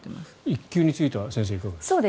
育休についてはいかがですか。